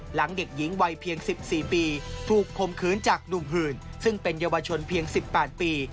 หลังเด็กหญิงวัยเพียง๑๔ปีถูกคมคืนจากหนุ่มหื่นซึ่งเป็นเยาวชนเพียง๑๘ปี